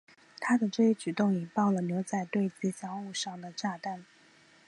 他的这一举动引爆了牛仔队吉祥物上的炸弹。